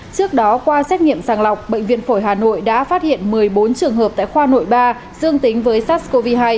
trước đó qua xét nghiệm sàng lọc bệnh viện phổi hà nội đã phát hiện một mươi bốn trường hợp tại khoa nội ba dương tính với sars cov hai